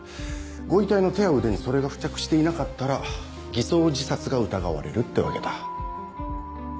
ご遺体の手や腕にそれが付着していなかったら偽装自殺が疑われるってわけだ。